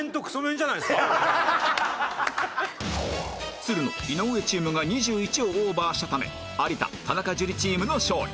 つるの井上チームが２１をオーバーしたため有田田中樹チームの勝利